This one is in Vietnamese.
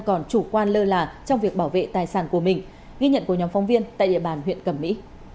còn chủ quan lơ là trong việc bảo vệ tài sản của mình ghi nhận của nhóm phóng viên tại địa bàn huyện cẩm mỹ